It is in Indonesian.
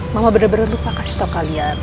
mama bener bener lupa kasih tau kalian